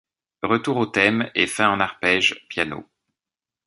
Retour au thème et fin en arpèges, piano.